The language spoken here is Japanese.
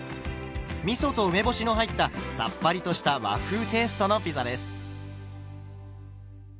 みそと梅干しの入ったさっぱりとした和風テイストのピザです。